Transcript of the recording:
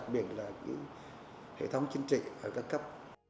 và đặc biệt là hệ thống chính trị ở các cấp